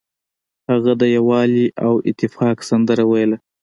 هغه د یووالي او اتفاق سندره ویله.